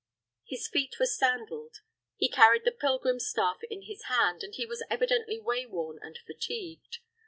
His feet were sandaled; he carried the pilgrim staff in his hand, and he was evidently wayworn and fatigued.